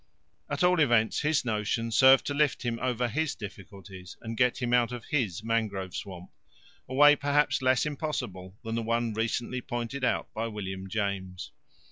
At all events, his notion served to lift him over his difficulties and to get him out of his mangrove swamp a way perhaps less impossible than the one recently pointed out by William James.